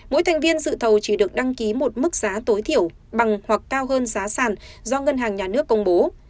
mỗi thành viên dự thầu chỉ được đăng ký một mức giá tối thiểu bằng hoặc cao hơn giá sản do ngân hàng nhà nước công bố